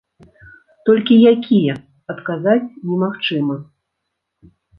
Толькі якія, адказаць немагчыма.